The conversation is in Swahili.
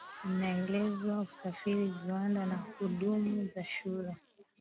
inaelezwa usafiri viwanda na huduma za shule